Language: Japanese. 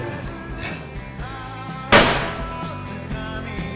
えっ。